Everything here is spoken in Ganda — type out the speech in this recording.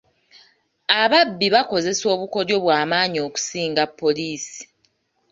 Ababbi bakozesa obukodyo obw'amaanyi okusinga poliisi.